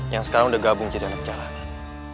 yang sekarang udah gabung jadi anak jalanan